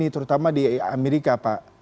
terutama di amerika pak